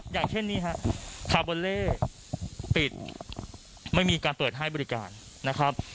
อย่างเช่นนี้ฮะคาร์บอเล่ปิดไม่มีการเปิดให้บริการนะครับ